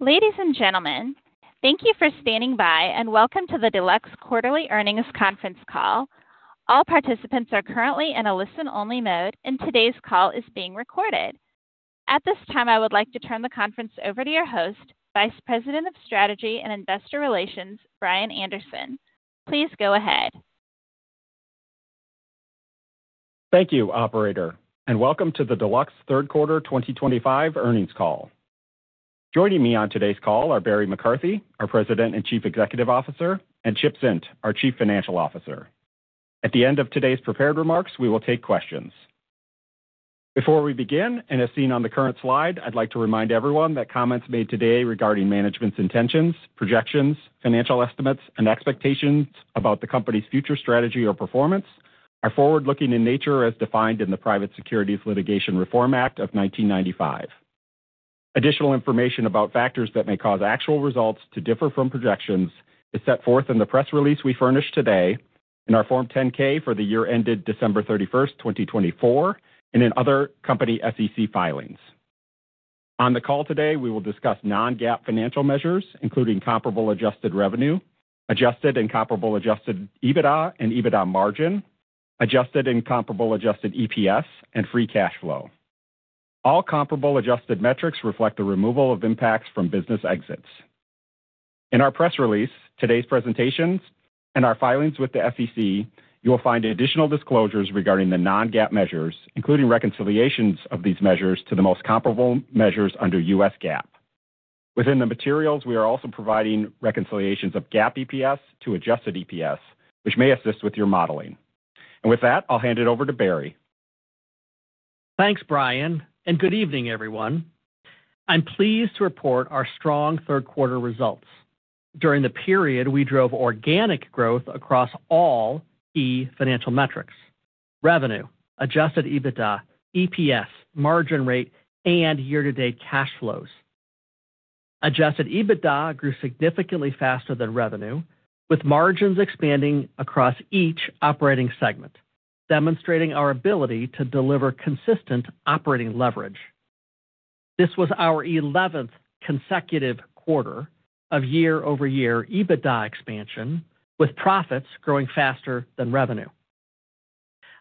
Ladies and gentlemen, thank you for standing by and welcome to the Deluxe Quarterly Earnings Conference call. All participants are currently in a listen-only mode, and today's call is being recorded. At this time, I would like to turn the conference over to your host, Vice President of Strategy and Investor Relations, Brian Anderson. Please go ahead. Thank you, Operator, and welcome to the Deluxe Third Quarter 2025 Earnings Call. Joining me on today's call are Barry McCarthy, our President and Chief Executive Officer, and Chip Zint, our Chief Financial Officer. At the end of today's prepared remarks, we will take questions. Before we begin, and as seen on the current slide, I'd like to remind everyone that comments made today regarding management's intentions, projections, financial estimates, and expectations about the company's future strategy or performance are forward-looking in nature as defined in the Private Securities Litigation Reform Act of 1995. Additional information about factors that may cause actual results to differ from projections is set forth in the press release we furnish today, in our Form 10-K for the year ended December 31, 2024, and in other company SEC filings. On the call today, we will discuss non-GAAP financial measures, including comparable adjusted revenue, adjusted and comparable adjusted EBITDA and EBITDA margin, adjusted and comparable adjusted EPS, and free cash flow. All comparable adjusted metrics reflect the removal of impacts from business exits. In our press release, today's presentations, and our filings with the SEC, you will find additional disclosures regarding the non-GAAP measures, including reconciliations of these measures to the most comparable measures under U.S. GAAP. Within the materials, we are also providing reconciliations of GAAP EPS to adjusted EPS, which may assist with your modeling. With that, I'll hand it over to Barry. Thanks, Brian, and good evening, everyone. I'm pleased to report our strong third-quarter results. During the period, we drove organic growth across all key financial metrics: revenue, adjusted EBITDA, EPS, margin rate, and year-to-date cash flows. Adjusted EBITDA grew significantly faster than revenue, with margins expanding across each operating segment, demonstrating our ability to deliver consistent operating leverage. This was our 11th consecutive quarter of year-over-year EBITDA expansion, with profits growing faster than revenue.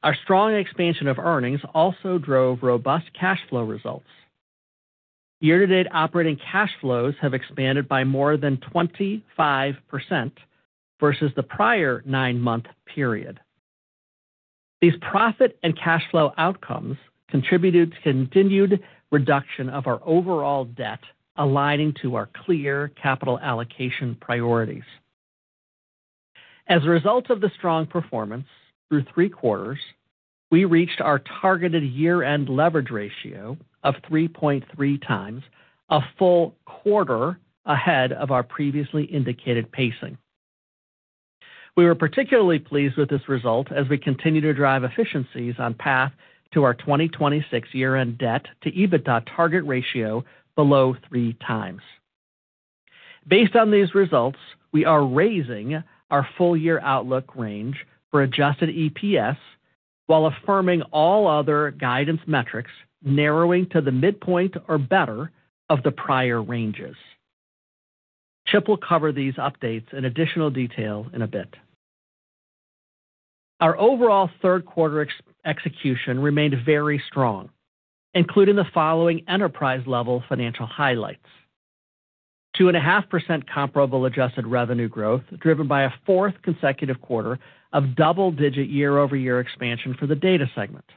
Our strong expansion of earnings also drove robust cash flow results. Year-to-date operating cash flows have expanded by more than 25% versus the prior nine-month period. These profit and cash flow outcomes contributed to continued reduction of our overall debt, aligning to our clear capital allocation priorities. As a result of the strong performance through three quarters, we reached our targeted year-end leverage ratio of 3.3x, a full quarter ahead of our previously indicated pacing. We were particularly pleased with this result as we continue to drive efficiencies on path to our 2026 year-end debt-to-EBITDA target ratio below 3x. Based on these results, we are raising our full-year outlook range for adjusted EPS while affirming all other guidance metrics, narrowing to the midpoint or better of the prior ranges. Chip will cover these updates in additional detail in a bit. Our overall third-quarter execution remained very strong, including the following enterprise-level financial highlights. 2.5% comparable adjusted revenue growth driven by a fourth consecutive quarter of double-digit year-over-year expansion for the data segment.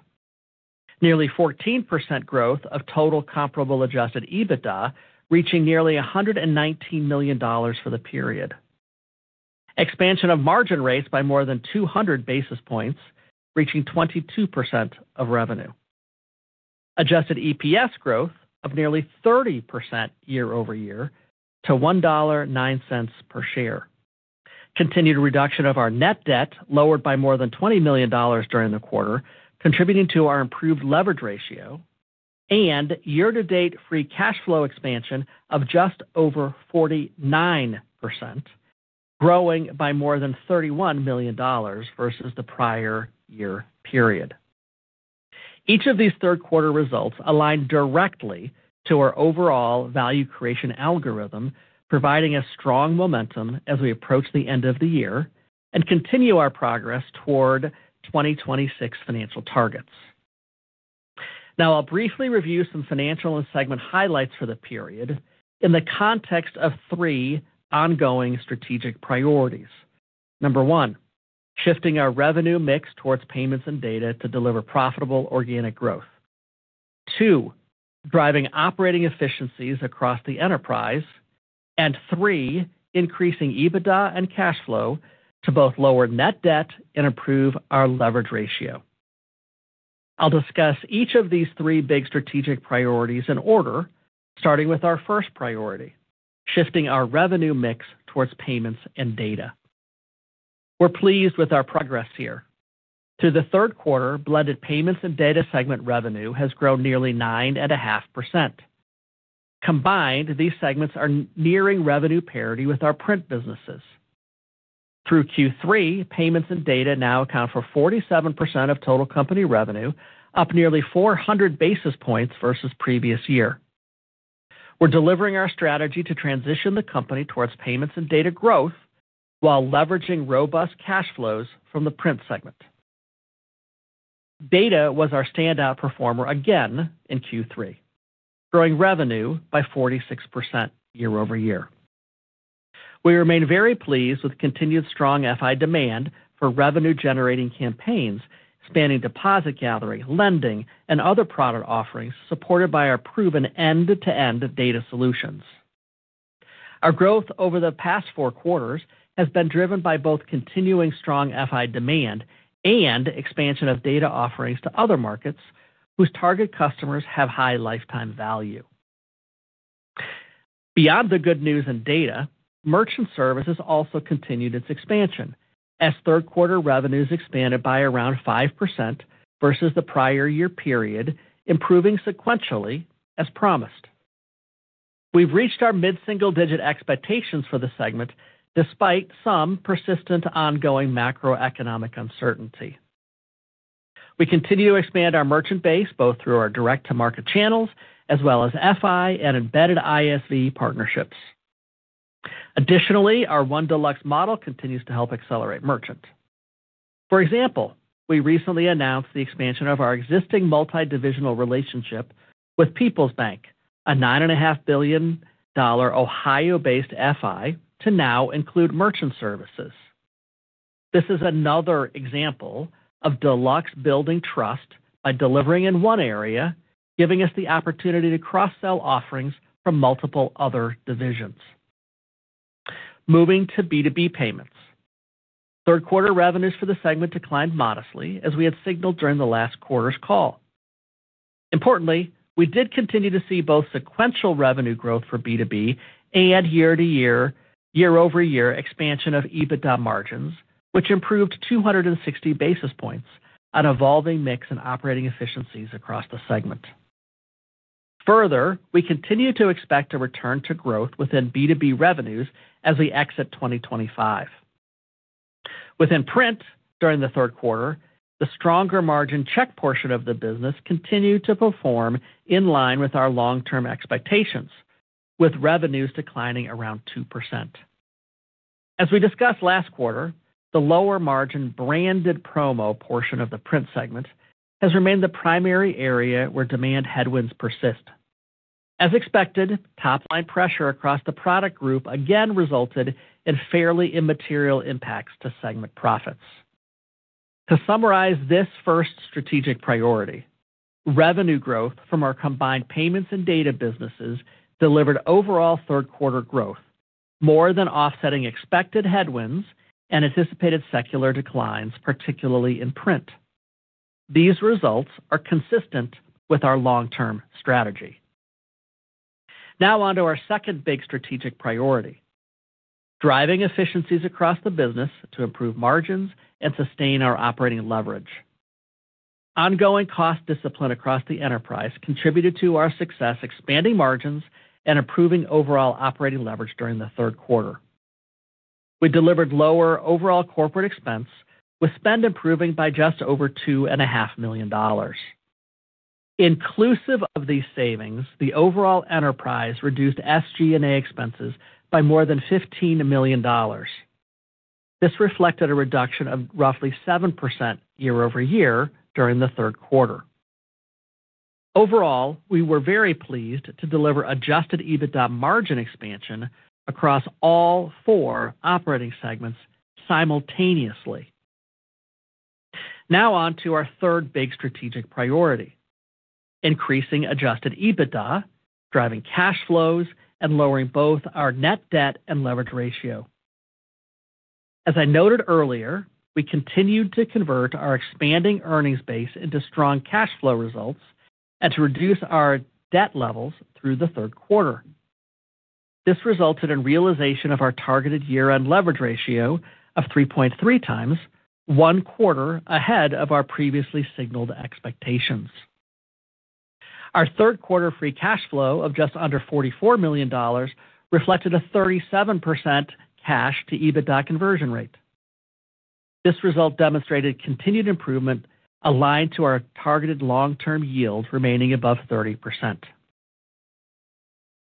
Nearly 14% growth of total comparable adjusted EBITDA, reaching nearly $119 million for the period. Expansion of margin rates by more than 200 basis points, reaching 22% of revenue. Adjusted EPS growth of nearly 30% year-over-year to $1.09 per share. Continued reduction of our net debt lowered by more than $20 million during the quarter, contributing to our improved leverage ratio and year-to-date free cash flow expansion of just over 49%, growing by more than $31 million versus the prior year period. Each of these third-quarter results aligned directly to our overall value creation algorithm, providing a strong momentum as we approach the end of the year and continue our progress toward 2026 financial targets. Now, I'll briefly review some financial and segment highlights for the period in the context of three ongoing strategic priorities. Number one, shifting our revenue mix towards payments and data to deliver profitable organic growth. Two, driving operating efficiencies across the enterprise, and three, increasing EBITDA and cash flow to both lower net debt and improve our leverage ratio. I'll discuss each of these three big strategic priorities in order, starting with our first priority, shifting our revenue mix towards payments and data. We're pleased with our progress here. Through the third quarter, blended payments and data segment revenue has grown nearly 9.5%. Combined, these segments are nearing revenue parity with our print businesses. Through Q3, payments and data now account for 47% of total company revenue, up nearly 400 basis points versus previous year. We're delivering our strategy to transition the company towards payments and data growth while leveraging robust cash flows from the print segment. Data was our standout performer again in Q3, growing revenue by 46% year-over-year. We remain very pleased with continued strong FI demand for revenue-generating campaigns spanning deposit gathering, lending, and other product offerings supported by our proven end-to-end data solutions. Our growth over the past four quarters has been driven by both continuing strong FI demand and expansion of data offerings to other markets whose target customers have high lifetime value. Beyond the good news in data, merchant services also continued its expansion as third-quarter revenues expanded by around 5% versus the prior year period, improving sequentially as promised. We have reached our mid-single-digit expectations for the segment despite some persistent ongoing macroeconomic uncertainty. We continue to expand our merchant base both through our direct-to-market channels as well as FI and embedded ISV partnerships. Additionally, our One Deluxe model continues to help accelerate merchant. For example, we recently announced the expansion of our existing multi-divisional relationship with People's Bank, a $9.5 billion Ohio-based FI, to now include merchant services. This is another example of Deluxe building trust by delivering in one area, giving us the opportunity to cross-sell offerings from multiple other divisions. Moving to B2B payments. Third-quarter revenues for the segment declined modestly, as we had signaled during the last quarter's call. Importantly, we did continue to see both sequential revenue growth for B2B and year-to-year, year-over-year expansion of EBITDA margins, which improved 260 basis points on evolving mix and operating efficiencies across the segment. Further, we continue to expect a return to growth within B2B revenues as we exit 2025. Within print, during the third quarter, the stronger margin check portion of the business continued to perform in line with our long-term expectations, with revenues declining around 2%. As we discussed last quarter, the lower margin branded promo portion of the print segment has remained the primary area where demand headwinds persist. As expected, top-line pressure across the product group again resulted in fairly immaterial impacts to segment profits. To summarize this first strategic priority, revenue growth from our combined payments and data businesses delivered overall third-quarter growth, more than offsetting expected headwinds and anticipated secular declines, particularly in print. These results are consistent with our long-term strategy. Now on to our second big strategic priority. Driving efficiencies across the business to improve margins and sustain our operating leverage. Ongoing cost discipline across the enterprise contributed to our success expanding margins and improving overall operating leverage during the third quarter. We delivered lower overall corporate expense, with spend improving by just over $2.5 million. Inclusive of these savings, the overall enterprise reduced SG&A expenses by more than $15 million. This reflected a reduction of roughly 7% year-over-year during the third quarter. Overall, we were very pleased to deliver adjusted EBITDA margin expansion across all four operating segments simultaneously. Now on to our third big strategic priority. Increasing adjusted EBITDA, driving cash flows, and lowering both our net debt and leverage ratio. As I noted earlier, we continued to convert our expanding earnings base into strong cash flow results and to reduce our debt levels through the third quarter. This resulted in realization of our targeted year-end leverage ratio of 3.3x, one quarter ahead of our previously signaled expectations. Our third-quarter free cash flow of just under $44 million reflected a 37% cash-to-EBITDA conversion rate. This result demonstrated continued improvement aligned to our targeted long-term yield remaining above 30%.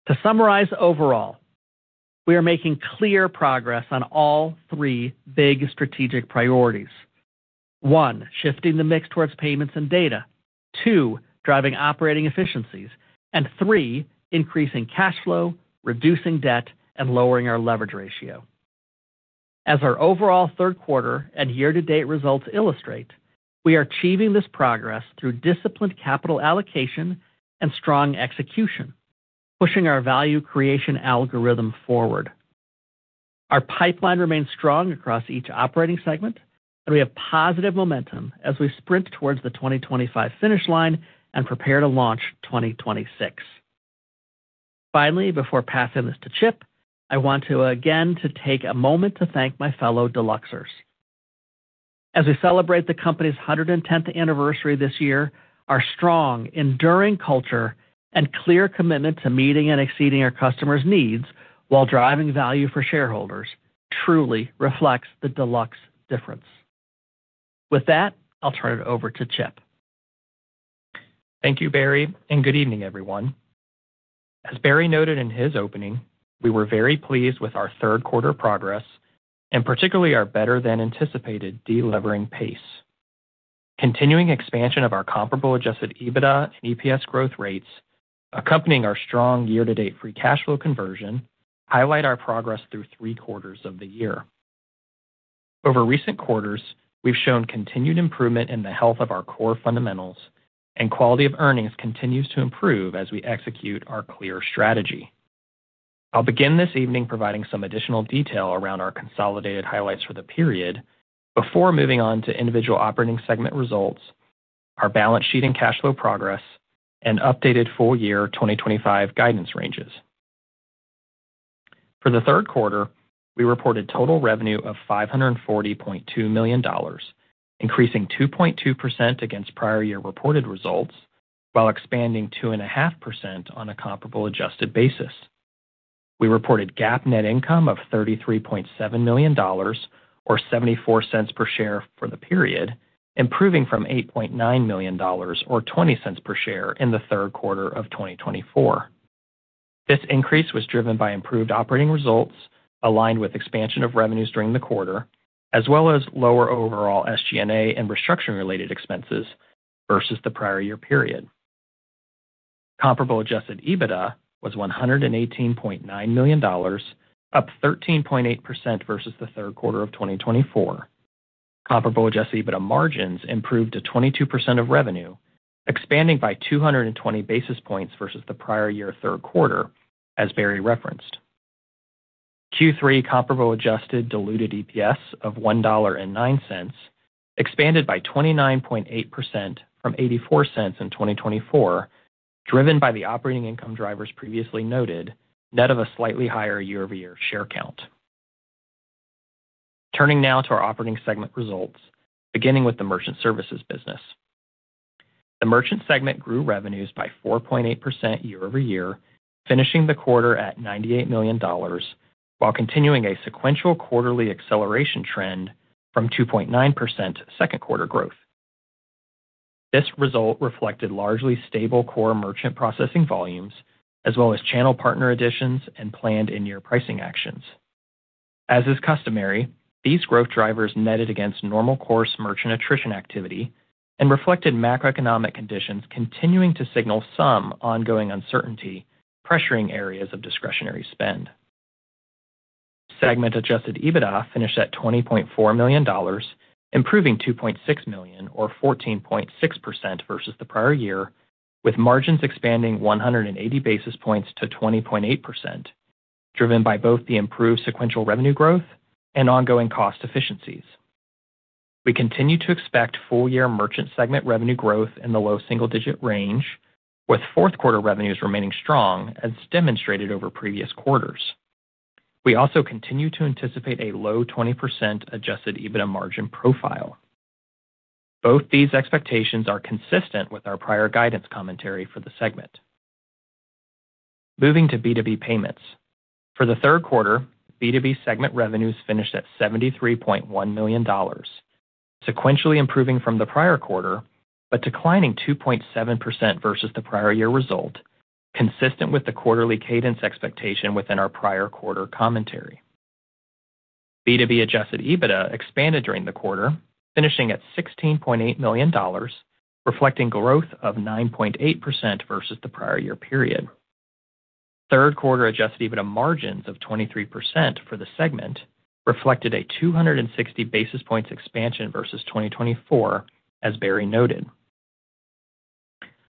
To summarize overall, we are making clear progress on all three big strategic priorities. One, shifting the mix towards payments and data. Two, driving operating efficiencies, and three, increasing cash flow, reducing debt, and lowering our leverage ratio. As our overall third quarter and year-to-date results illustrate, we are achieving this progress through disciplined capital allocation and strong execution, pushing our value creation algorithm forward. Our pipeline remains strong across each operating segment, and we have positive momentum as we sprint towards the 2025 finish line and prepare to launch 2026. Finally, before passing this to Chip, I want to again take a moment to thank my fellow Deluxers. As we celebrate the company's 110th anniversary this year, our strong, enduring culture and clear commitment to meeting and exceeding our customers' needs while driving value for shareholders truly reflects the Deluxe difference. With that, I'll turn it over to Chip. Thank you, Barry, and good evening, everyone. As Barry noted in his opening, we were very pleased with our third-quarter progress and particularly our better-than-anticipated delivering pace. Continuing expansion of our comparable adjusted EBITDA and EPS growth rates, accompanying our strong year-to-date free cash flow conversion, highlight our progress through three quarters of the year. Over recent quarters, we've shown continued improvement in the health of our core fundamentals, and quality of earnings continues to improve as we execute our clear strategy. I'll begin this evening providing some additional detail around our consolidated highlights for the period. Before moving on to individual operating segment results, our balance sheet and cash flow progress, and updated full-year 2025 guidance ranges. For the third quarter, we reported total revenue of $540.2 million, increasing 2.2% against prior-year reported results while expanding 2.5% on a comparable adjusted basis. We reported GAAP net income of $33.7 million, or $0.74 per share for the period, improving from $8.9 million, or $0.20 per share in the third quarter of 2024. This increase was driven by improved operating results aligned with expansion of revenues during the quarter, as well as lower overall SG&A and restructuring-related expenses versus the prior-year period. Comparable adjusted EBITDA was $118.9 million, up 13.8% versus the third quarter of 2024. Comparable adjusted EBITDA margins improved to 22% of revenue, expanding by 220 basis points versus the prior-year third quarter, as Barry referenced. Q3 comparable adjusted diluted EPS of $1.09 expanded by 29.8% from $0.84 in 2024, driven by the operating income drivers previously noted, net of a slightly higher year-over-year share count. Turning now to our operating segment results, beginning with the Merchant Services business. The merchant segment grew revenues by 4.8% year-over-year, finishing the quarter at $98 million. While continuing a sequential quarterly acceleration trend from 2.9% second quarter growth. This result reflected largely stable core merchant processing volumes, as well as channel partner additions and planned in-year pricing actions. As is customary, these growth drivers netted against normal course merchant attrition activity and reflected macroeconomic conditions continuing to signal some ongoing uncertainty, pressuring areas of discretionary spend. Segment-adjusted EBITDA finished at $20.4 million, improving $2.6 million, or 14.6% versus the prior year, with margins expanding 180 basis points to 20.8%. Driven by both the improved sequential revenue growth and ongoing cost efficiencies. We continue to expect full-year merchant segment revenue growth in the low single-digit range, with fourth-quarter revenues remaining strong as demonstrated over previous quarters. We also continue to anticipate a low 20% adjusted EBITDA margin profile. Both these expectations are consistent with our prior guidance commentary for the segment. Moving to B2B payments. For the third quarter, B2B segment revenues finished at $73.1 million. Sequentially improving from the prior quarter, but declining 2.7% versus the prior-year result, consistent with the quarterly cadence expectation within our prior quarter commentary. B2B adjusted EBITDA expanded during the quarter, finishing at $16.8 million, reflecting growth of 9.8% versus the prior-year period. Third-quarter adjusted EBITDA margins of 23% for the segment reflected a 260 basis points expansion versus 2024, as Barry noted.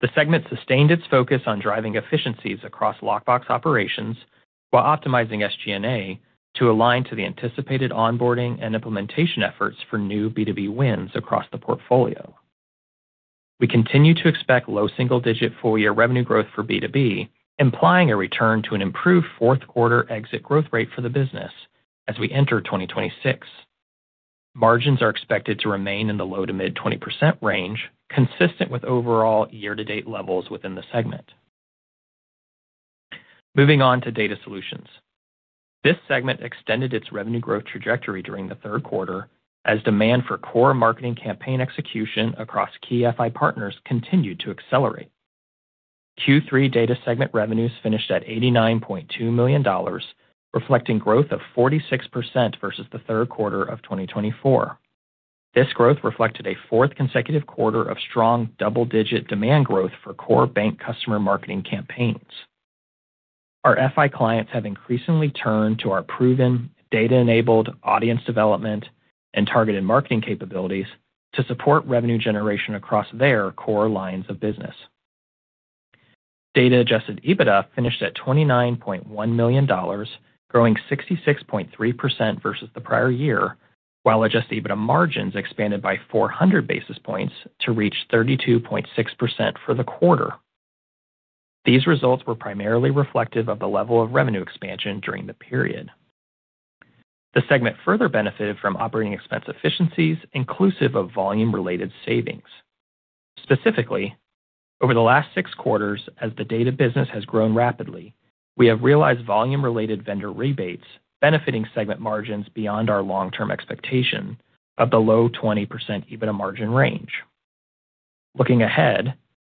The segment sustained its focus on driving efficiencies across lockbox operations while optimizing SG&A to align to the anticipated onboarding and implementation efforts for new B2B wins across the portfolio. We continue to expect low single-digit full-year revenue growth for B2B, implying a return to an improved fourth-quarter exit growth rate for the business as we enter 2026. Margins are expected to remain in the low to mid-20% range, consistent with overall year-to-date levels within the segment. Moving on to data solutions. This segment extended its revenue growth trajectory during the third quarter as demand for core marketing campaign execution across key FI partners continued to accelerate. Q3 data segment revenues finished at $89.2 million, reflecting growth of 46% versus the third quarter of 2024. This growth reflected a fourth consecutive quarter of strong double-digit demand growth for core bank customer marketing campaigns. Our FI clients have increasingly turned to our proven, data-enabled audience development and targeted marketing capabilities to support revenue generation across their core lines of business. Data-adjusted EBITDA finished at $29.1 million, growing 66.3% versus the prior year, while adjusted EBITDA margins expanded by 400 basis points to reach 32.6% for the quarter. These results were primarily reflective of the level of revenue expansion during the period. The segment further benefited from operating expense efficiencies, inclusive of volume-related savings. Specifically, over the last six quarters, as the data business has grown rapidly, we have realized volume-related vendor rebates benefiting segment margins beyond our long-term expectation of the low 20% EBITDA margin range. Looking ahead,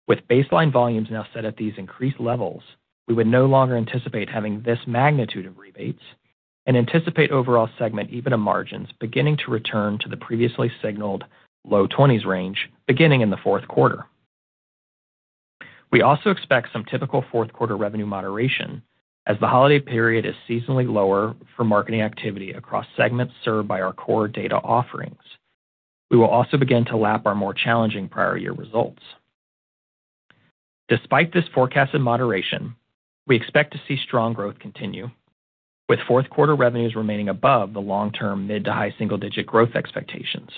with baseline volumes now set at these increased levels, we would no longer anticipate having this magnitude of rebates and anticipate overall segment EBITDA margins beginning to return to the previously signaled low 20% range beginning in the fourth quarter. We also expect some typical fourth-quarter revenue moderation as the holiday period is seasonally lower for marketing activity across segments served by our core data offerings. We will also begin to lap our more challenging prior-year results. Despite this forecasted moderation, we expect to see strong growth continue, with fourth-quarter revenues remaining above the long-term mid to high single-digit growth expectations.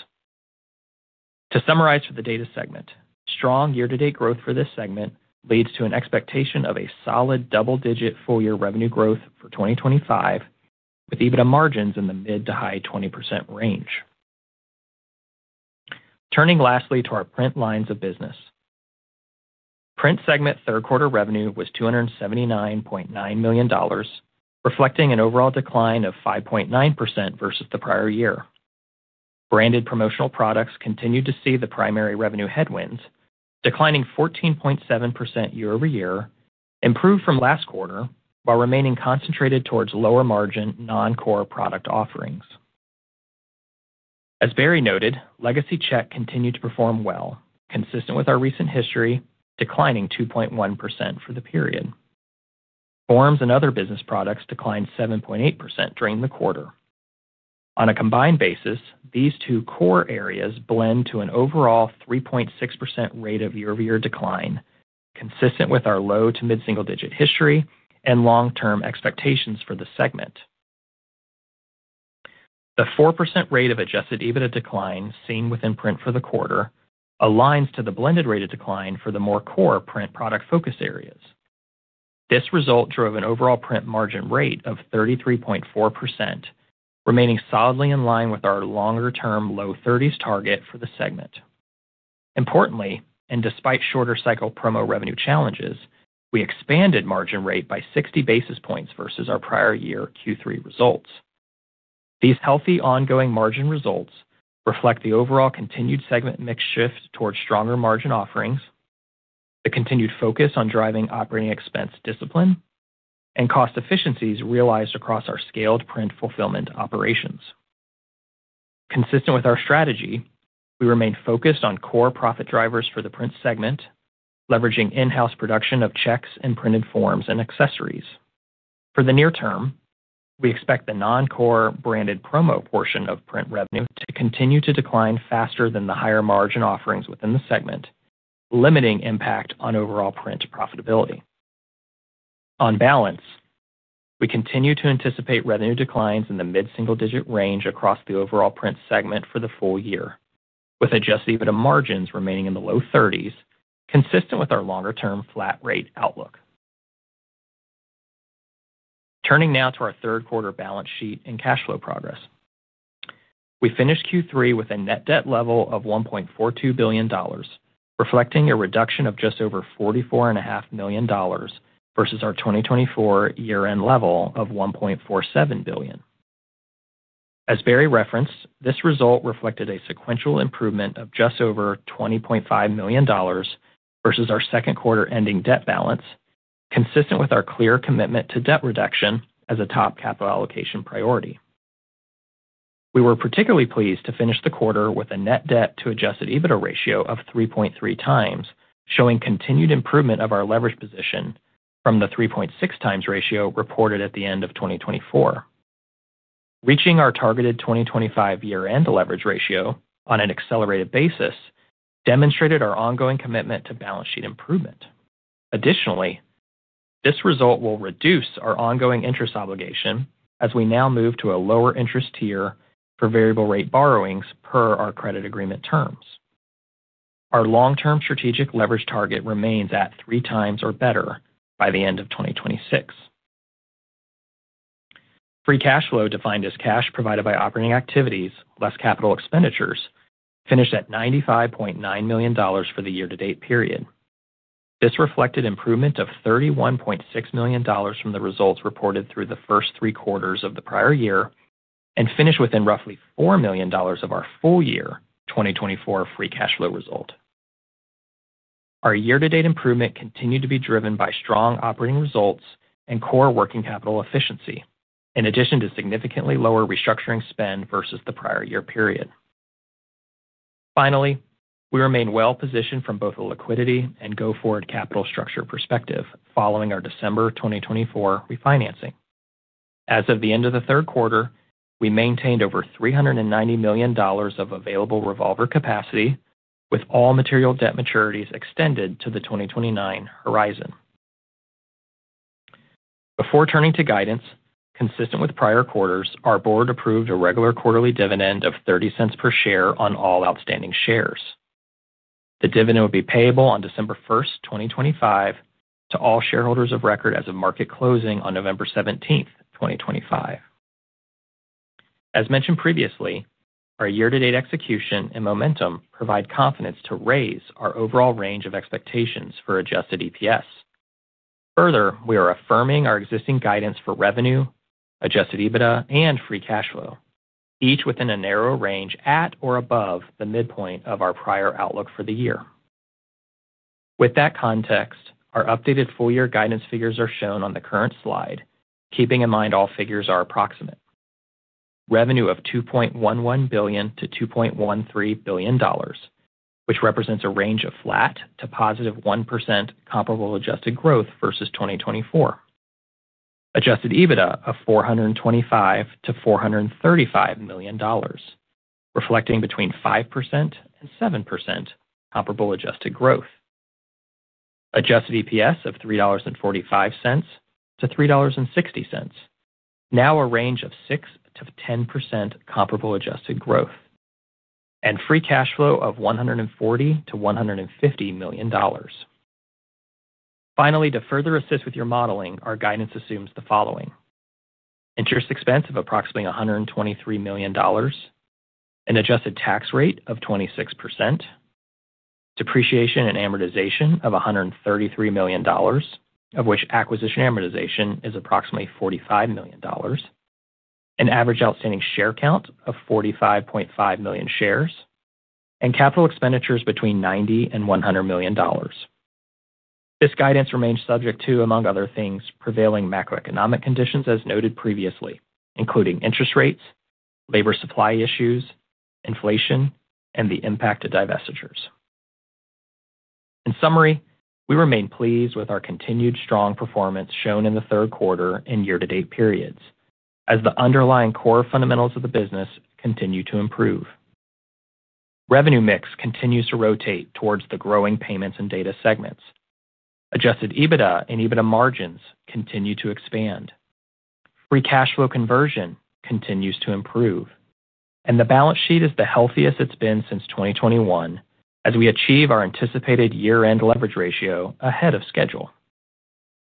To summarize for the data segment, strong year-to-date growth for this segment leads to an expectation of a solid double-digit full-year revenue growth for 2025, with EBITDA margins in the mid to high 20% range. Turning lastly to our print lines of business. Print segment third-quarter revenue was $279.9 million, reflecting an overall decline of 5.9% versus the prior year. Branded promotional products continued to see the primary revenue headwinds, declining 14.7% year-over-year, improved from last quarter, while remaining concentrated towards lower-margin non-core product offerings. As Barry noted, legacy checks continued to perform well, consistent with our recent history, declining 2.1% for the period. Forms and other business products declined 7.8% during the quarter. On a combined basis, these two core areas blend to an overall 3.6% rate of year-over-year decline, consistent with our low to mid-single-digit history and long-term expectations for the segment. The 4% rate of adjusted EBITDA decline seen within print for the quarter aligns to the blended rate of decline for the more core print product focus areas. This result drove an overall print margin rate of 33.4%, remaining solidly in line with our longer-term low 30s target for the segment. Importantly, and despite shorter cycle promo revenue challenges, we expanded margin rate by 60 basis points versus our prior-year Q3 results. These healthy ongoing margin results reflect the overall continued segment mix shift towards stronger margin offerings, the continued focus on driving operating expense discipline, and cost efficiencies realized across our scaled print fulfillment operations. Consistent with our strategy, we remain focused on core profit drivers for the print segment, leveraging in-house production of checks and printed forms and accessories. For the near term, we expect the non-core branded promo portion of print revenue to continue to decline faster than the higher margin offerings within the segment, limiting impact on overall print profitability. On balance, we continue to anticipate revenue declines in the mid-single-digit range across the overall print segment for the full year, with adjusted EBITDA margins remaining in the low 30s, consistent with our longer-term flat-rate outlook. Turning now to our third-quarter balance sheet and cash flow progress. We finished Q3 with a net debt level of $1.42 billion, reflecting a reduction of just over $44.5 million versus our 2024 year-end level of $1.47 billion. As Barry referenced, this result reflected a sequential improvement of just over $20.5 million. Versus our second quarter ending debt balance, consistent with our clear commitment to debt reduction as a top capital allocation priority. We were particularly pleased to finish the quarter with a net debt to adjusted EBITDA ratio of 3.3x, showing continued improvement of our leverage position from the 3.6x ratio reported at the end of 2024. Reaching our targeted 2025 year-end leverage ratio on an accelerated basis demonstrated our ongoing commitment to balance sheet improvement. Additionally, this result will reduce our ongoing interest obligation as we now move to a lower interest tier for variable-rate borrowings per our credit agreement terms. Our long-term strategic leverage target remains at 3x or better by the end of 2026. Free cash flow, defined as cash provided by operating activities, less capital expenditures, finished at $95.9 million for the year-to-date period. This reflected improvement of $31.6 million from the results reported through the first three quarters of the prior year and finished within roughly $4 million of our full-year 2024 free cash flow result. Our year-to-date improvement continued to be driven by strong operating results and core working capital efficiency, in addition to significantly lower restructuring spend versus the prior-year period. Finally, we remain well-positioned from both a liquidity and go-forward capital structure perspective following our December 2024 refinancing. As of the end of the third quarter, we maintained over $390 million of available revolver capacity, with all material debt maturities extended to the 2029 horizon. Before turning to guidance, consistent with prior quarters, our board approved a regular quarterly dividend of $0.30 per share on all outstanding shares. The dividend will be payable on December 1, 2025, to all shareholders of record as of market closing on November 17, 2025. As mentioned previously, our year-to-date execution and momentum provide confidence to raise our overall range of expectations for adjusted EPS. Further, we are affirming our existing guidance for revenue, adjusted EBITDA, and free cash flow, each within a narrow range at or above the midpoint of our prior outlook for the year. With that context, our updated full-year guidance figures are shown on the current slide, keeping in mind all figures are approximate. Revenue of $2.11 billion-$2.13 billion, which represents a range of flat to positive 1% comparable adjusted growth versus 2024. Adjusted EBITDA of $425-$435 million, reflecting between 5% and 7% comparable adjusted growth. Adjusted EPS of $3.45-$3.60. Now a range of 6%-10% comparable adjusted growth. And free cash flow of $140-$150 million. Finally, to further assist with your modeling, our guidance assumes the following. Interest expense of approximately $123 million. An adjusted tax rate of 26%. Depreciation and amortization of $133 million, of which acquisition amortization is approximately $45 million. An average outstanding share count of 45.5 million shares, and capital expenditures between $90-$100 million. This guidance remains subject to, among other things, prevailing macroeconomic conditions as noted previously, including interest rates, labor supply issues, inflation, and the impact of divestitures. In summary, we remain pleased with our continued strong performance shown in the third quarter and year-to-date periods as the underlying core fundamentals of the business continue to improve. Revenue mix continues to rotate towards the growing payments and data segments. Adjusted EBITDA and EBITDA margins continue to expand. Free cash flow conversion continues to improve, and the balance sheet is the healthiest it's been since 2021 as we achieve our anticipated year-end leverage ratio ahead of schedule.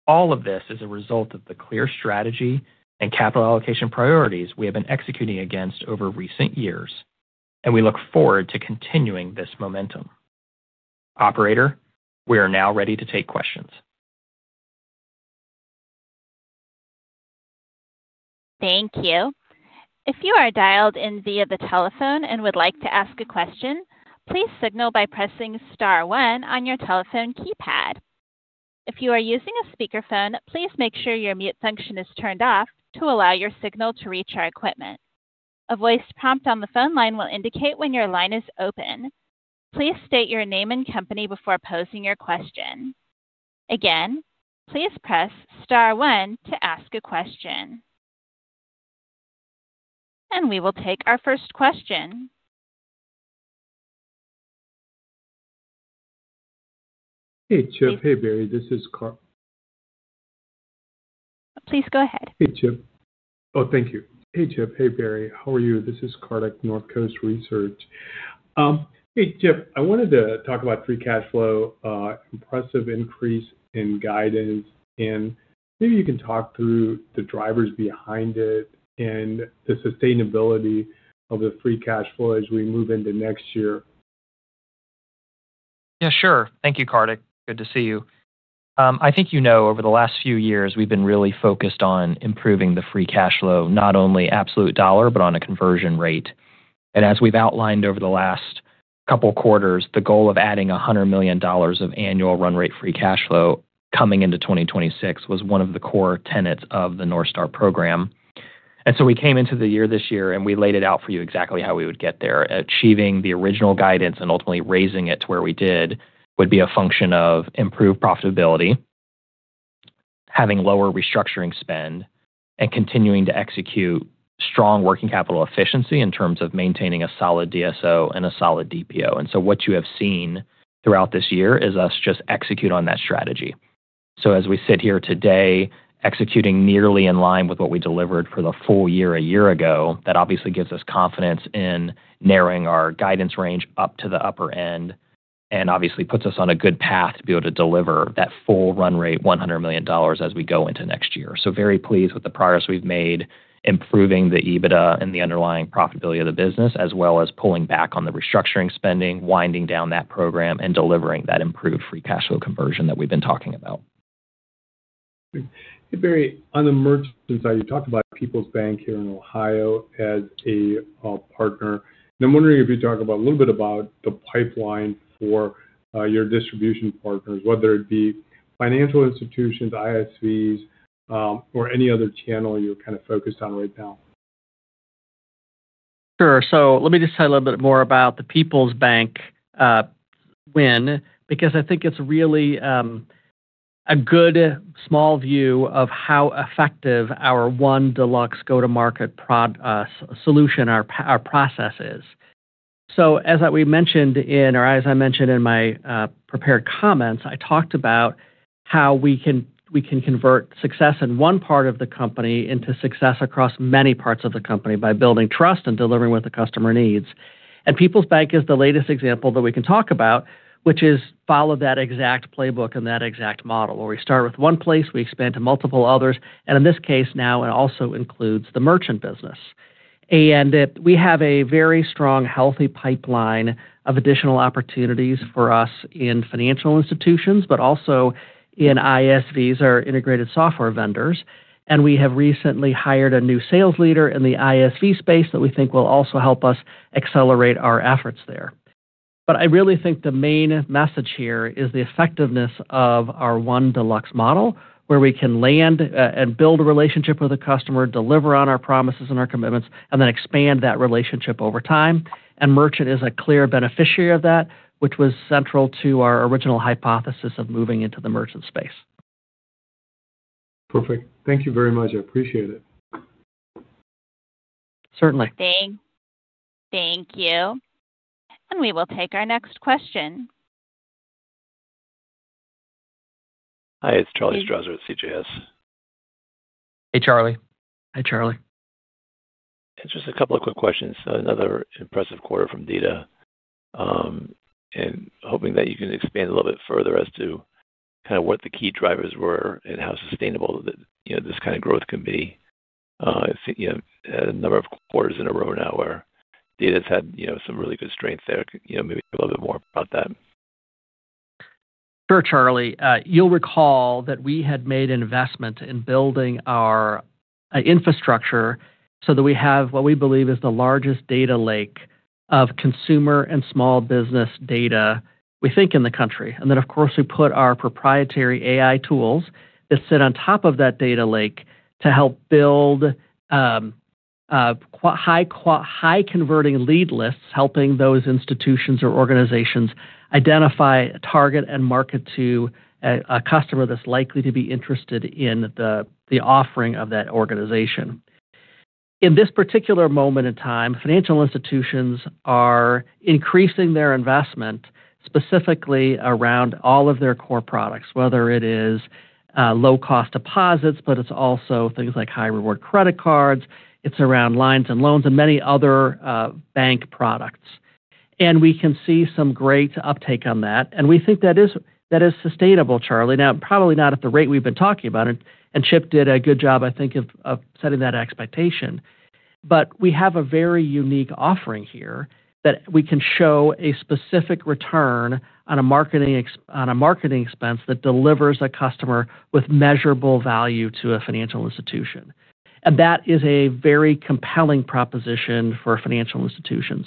All of this is a result of the clear strategy and capital allocation priorities we have been executing against over recent years, and we look forward to continuing this momentum. Operator, we are now ready to take questions. Thank you. If you are dialed in via the telephone and would like to ask a question, please signal by pressing star one on your telephone keypad. If you are using a speakerphone, please make sure your mute function is turned off to allow your signal to reach our equipment. A voice prompt on the phone line will indicate when your line is open. Please state your name and company before posing your question. Again, please press star one to ask a question. We will take our first question. Hey, Chip. Hey, Barry. This is Car. Please go ahead. Hey, Chip. Oh, thank you. Hey, Chip. Hey, Barry. How are you? This is Kartik, Northcoast Research. Hey, Chip. I wanted to talk about free cash flow, impressive increase in guidance, and maybe you can talk through the drivers behind it and the sustainability of the free cash flow as we move into next year. Yeah, sure. Thank you, Kartik. Good to see you. I think you know over the last few years we've been really focused on improving the free cash flow, not only absolute dollar, but on a conversion rate. And as we've outlined over the last couple of quarters, the goal of adding $100 million of annual run-rate free cash flow coming into 2026 was one of the core tenets of the North Star Program. We came into the year this year and we laid it out for you exactly how we would get there. Achieving the original guidance and ultimately raising it to where we did would be a function of improved profitability. Having lower restructuring spend, and continuing to execute strong working capital efficiency in terms of maintaining a solid DSO and a solid DPO. What you have seen throughout this year is us just execute on that strategy. As we sit here today, executing nearly in line with what we delivered for the full year a year ago, that obviously gives us confidence in narrowing our guidance range up to the upper end and obviously puts us on a good path to be able to deliver that full run rate, $100 million as we go into next year. Very pleased with the progress we've made, improving the EBITDA and the underlying profitability of the business, as well as pulling back on the restructuring spending, winding down that program, and delivering that improved free cash flow conversion that we've been talking about. Hey, Barry, on the merchant side, you talked about People's Bank here in Ohio as a partner. I'm wondering if you'd talk a little bit about the pipeline for your distribution partners, whether it be financial institutions, ISVs, or any other channel you're kind of focused on right now. Sure. Let me just tell you a little bit more about the People's Bank win because I think it's really a good small view of how effective our One Deluxe go-to-market solution, our process is. As I mentioned in my prepared comments, I talked about how we can convert success in one part of the company into success across many parts of the company by building trust and delivering what the customer needs. People's Bank is the latest example that we can talk about, which has followed that exact playbook and that exact model where we start with one place, we expand to multiple others, and in this case now it also includes the merchant business. We have a very strong, healthy pipeline of additional opportunities for us in financial institutions, but also in ISVs, our integrated software vendors. We have recently hired a new sales leader in the ISV space that we think will also help us accelerate our efforts there. I really think the main message here is the effectiveness of our One Deluxe model, where we can land and build a relationship with the customer, deliver on our promises and our commitments, and then expand that relationship over time. Merchant is a clear beneficiary of that, which was central to our original hypothesis of moving into the merchant space. Perfect. Thank you very much. I appreciate it. Certainly. Thank you. We will take our next question. Hi, it is Charlie Strauzer at CJS. Hey, Charlie. Hi, Charlie. Just a couple of quick questions. Another impressive quarter from Data. Hoping that you can expand a little bit further as to kind of what the key drivers were and how sustainable this kind of growth can be. A number of quarters in a row now where Data has had some really good strength there. Maybe a little bit more about that. Sure, Charlie. You'll recall that we had made investment in building our infrastructure so that we have what we believe is the largest data lake of consumer and small business data, we think, in the country. Of course, we put our proprietary AI tools that sit on top of that data lake to help build high-converting lead lists, helping those institutions or organizations identify a target and market to a customer that's likely to be interested in the offering of that organization. In this particular moment in time, financial institutions are increasing their investment specifically around all of their core products, whether it is low-cost deposits, but it's also things like high-reward credit cards. It's around lines and loans and many other bank products. We can see some great uptake on that. We think that is sustainable, Charlie. Now, probably not at the rate we've been talking about. Chip did a good job, I think, of setting that expectation. We have a very unique offering here that we can show a specific return on a marketing expense that delivers a customer with measurable value to a financial institution. That is a very compelling proposition for financial institutions.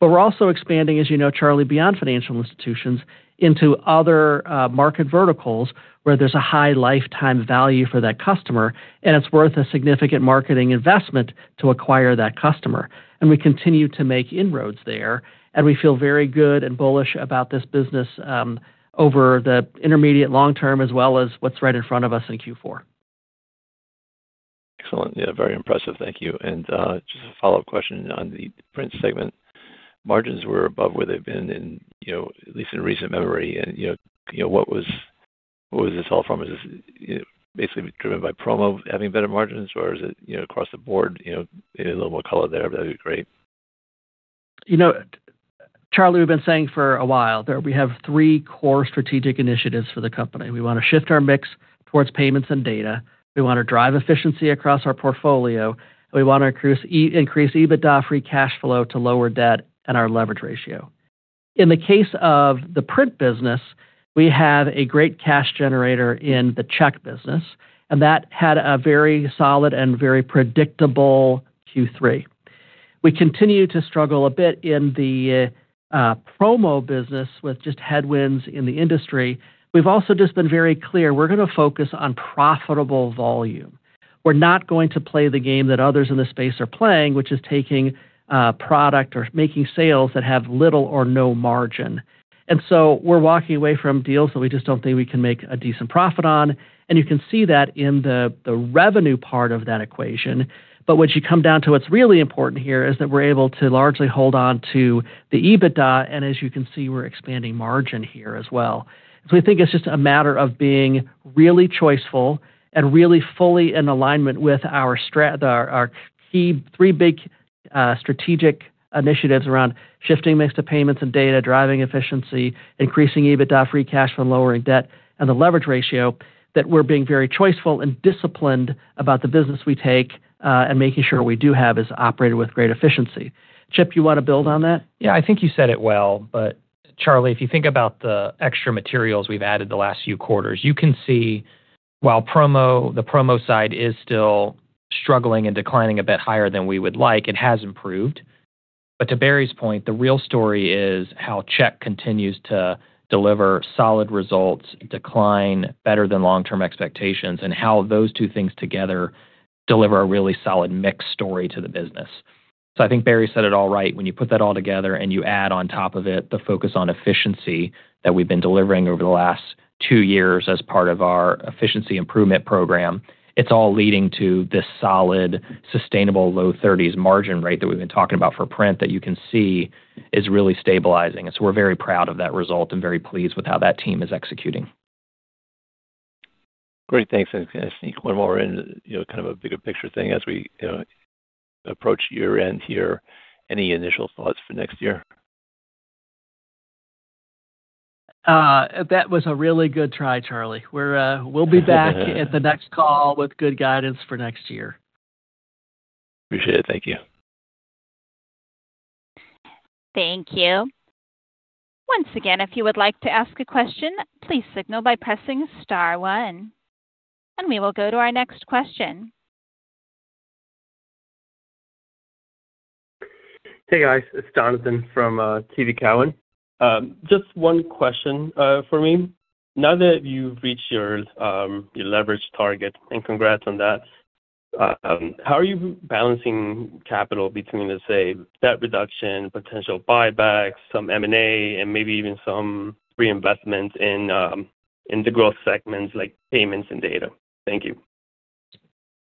We're also expanding, as you know, Charlie, beyond financial institutions into other market verticals where there's a high lifetime value for that customer, and it's worth a significant marketing investment to acquire that customer. We continue to make inroads there. We feel very good and bullish about this business over the intermediate long term as well as what's right in front of us in Q4. Excellent. Yeah, very impressive. Thank you. Just a follow-up question on the print segment. Margins were above where they've been in, at least in recent memory. What was this all from? Is this basically driven by promo having better margins, or is it across the board? Maybe a little more color there, that'd be great. You know, Charlie, we've been saying for a while that we have three core strategic initiatives for the company. We want to shift our mix towards payments and data. We want to drive efficiency across our portfolio. We want to increase EBITDA free cash flow to lower debt and our leverage ratio. In the case of the print business, we have a great cash generator in the check business, and that had a very solid and very predictable Q3. We continue to struggle a bit in the promo business with just headwinds in the industry. We've also just been very clear we're going to focus on profitable volume. We're not going to play the game that others in the space are playing, which is taking product or making sales that have little or no margin. We're walking away from deals that we just don't think we can make a decent profit on. You can see that in the revenue part of that equation. What you come down to, what's really important here is that we're able to largely hold on to the EBITDA, and as you can see, we're expanding margin here as well. We think it's just a matter of being really choiceful and really fully in alignment with our. Three big strategic initiatives around shifting mix to payments and data, driving efficiency, increasing EBITDA free cash flow, lowering debt, and the leverage ratio, that we're being very choiceful and disciplined about the business we take and making sure we do have is operated with great efficiency. Chip, you want to build on that? Yeah, I think you said it well, but Charlie, if you think about the extra materials we've added the last few quarters, you can see while the promo side is still struggling and declining a bit higher than we would like, it has improved. To Barry's point, the real story is how check continues to deliver solid results, decline better than long-term expectations, and how those two things together deliver a really solid mix story to the business. I think Barry said it all right. When you put that all together and you add on top of it the focus on efficiency that we've been delivering over the last two years as part of our efficiency improvement program, it's all leading to this solid, sustainable low 30s margin rate that we've been talking about for print that you can see is really stabilizing. We are very proud of that result and very pleased with how that team is executing. Great. Thanks. I think one more kind of a bigger picture thing as we approach year-end here. Any initial thoughts for next year? That was a really good try, Charlie. We'll be back at the next call with good guidance for next year. Appreciate it. Thank you. Thank you. Once again, if you would like to ask a question, please signal by pressing star one. We will go to our next question. Hey, guys. It's Jonathan from TD Cowen. Just one question for me. Now that you've reached your leverage target, and congrats on that. How are you balancing capital between, let's say, debt reduction, potential buybacks, some M&A, and maybe even some reinvestment in the growth segments like payments and data? Thank you.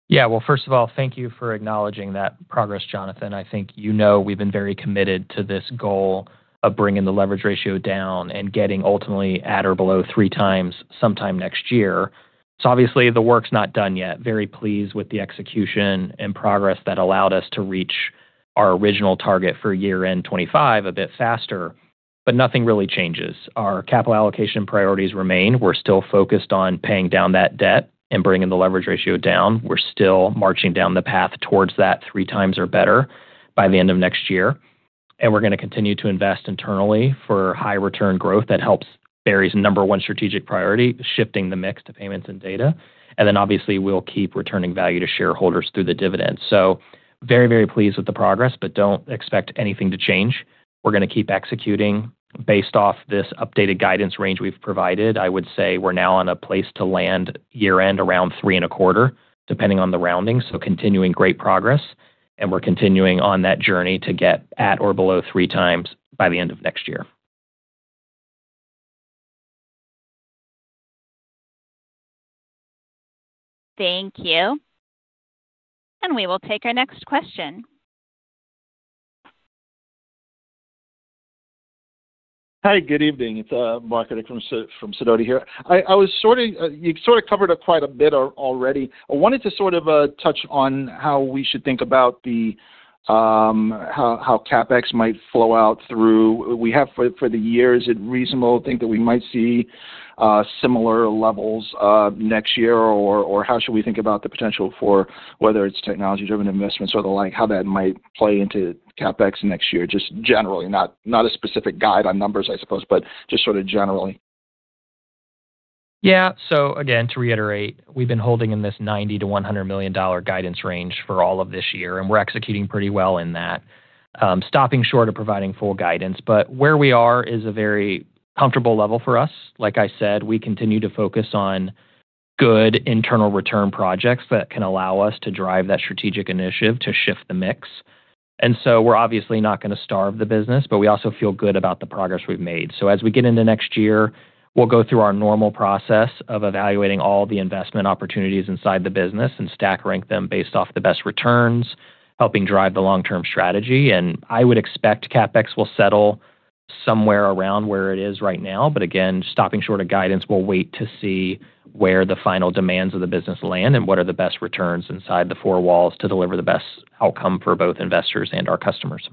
Yeah. First of all, thank you for acknowledging that progress, Jonathan. I think you know we've been very committed to this goal of bringing the leverage ratio down and getting ultimately at or below 3x sometime next year. Obviously, the work's not done yet. Very pleased with the execution and progress that allowed us to reach our original target for year-end 2025 a bit faster, but nothing really changes. Our capital allocation priorities remain. We're still focused on paying down that debt and bringing the leverage ratio down. We're still marching down the path towards that 3x or better by the end of next year. We're going to continue to invest internally for high-return growth that helps Barry's number one strategic priority, shifting the mix to payments and data. Obviously, we'll keep returning value to shareholders through the dividends. Very, very pleased with the progress, but don't expect anything to change. We're going to keep executing based off this updated guidance range we've provided. I would say we're now on a place to land year-end around three and a quarter, depending on the rounding. Continuing great progress. We're continuing on that journey to get at or below three times by the end of next year. Thank you. We will take our next question. Hi, good evening. It's Mark from Sidoti here. You've sort of covered quite a bit already. I wanted to sort of touch on how we should think about how CapEx might flow out through. We have for the years. Is it reasonable to think that we might see similar levels next year? Or how should we think about the potential for whether it's technology-driven investments or the like, how that might play into CapEx next year? Just generally, not a specific guide on numbers, I suppose, but just sort of generally. Yeah. To reiterate, we've been holding in this $90-$100 million guidance range for all of this year, and we're executing pretty well in that. Stopping short of providing full guidance, but where we are is a very comfortable level for us. Like I said, we continue to focus on good internal return projects that can allow us to drive that strategic initiative to shift the mix. We're obviously not going to starve the business, but we also feel good about the progress we've made. As we get into next year, we'll go through our normal process of evaluating all the investment opportunities inside the business and stack rank them based off the best returns, helping drive the long-term strategy. I would expect CapEx will settle somewhere around where it is right now. Again, stopping short of guidance, we'll wait to see where the final demands of the business land and what are the best returns inside the four walls to deliver the best outcome for both investors and our customers.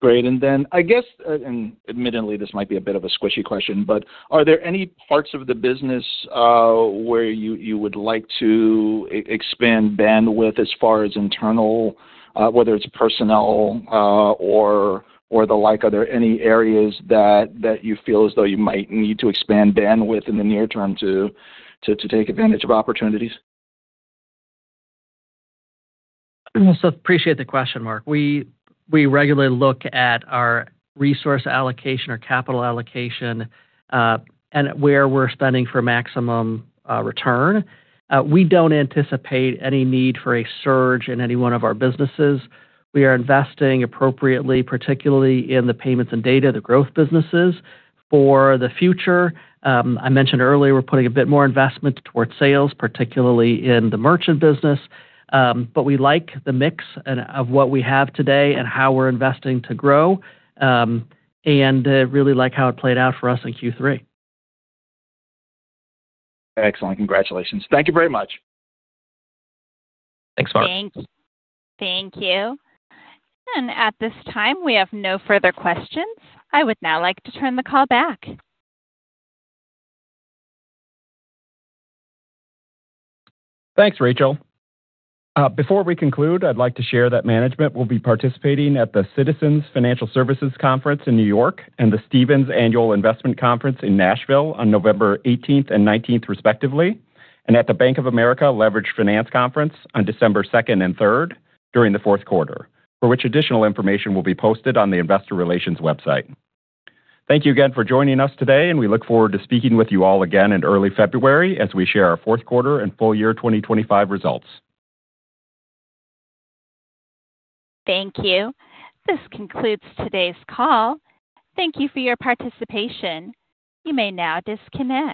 Great. I guess, and admittedly, this might be a bit of a squishy question, but are there any parts of the business where you would like to expand bandwidth as far as internal, whether it's personnel or the like? Are there any areas that you feel as though you might need to expand bandwidth in the near term to take advantage of opportunities? I appreciate the question, Mark. We regularly look at our resource allocation or capital allocation and where we're spending for maximum return. We don't anticipate any need for a surge in any one of our businesses. We are investing appropriately, particularly in the payments and data, the growth businesses for the future. I mentioned earlier, we're putting a bit more investment towards sales, particularly in the merchant business. We like the mix of what we have today and how we're investing to grow. I really like how it played out for us in Q3. Excellent. Congratulations. Thank you very much. Thanks, Mark. Thank you. At this time, we have no further questions. I would now like to turn the call back. Thanks, Rachel. Before we conclude, I'd like to share that management will be participating at the Citizens Financial Services Conference in New York and the Stevens Annual Investment Conference in Nashville on November 18th and 19th, respectively, and at the Bank of America Leverage Finance Conference on December 2nd and 3rd during the fourth quarter, for which additional information will be posted on the Investor Relations website. Thank you again for joining us today, and we look forward to speaking with you all again in early February as we share our fourth quarter and full year 2025 results. Thank you. This concludes today's call. Thank you for your participation. You may now disconnect.